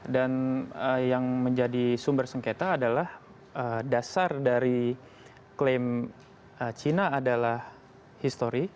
dan yang menjadi sumber sengketa adalah dasar dari klaim cina adalah histori